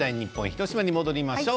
広島に戻りましょう。